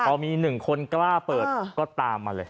พอมี๑คนกล้าเปิดก็ตามมาเลย